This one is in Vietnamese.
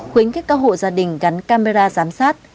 khuyến khích các hộ gia đình gắn camera giám sát